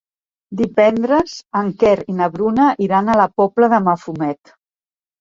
Divendres en Quer i na Bruna iran a la Pobla de Mafumet.